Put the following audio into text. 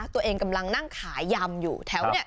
ตัวเองกำลังนั่งขายยำอยู่แถวนี้